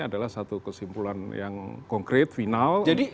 adalah satu kesimpulan yang konkret final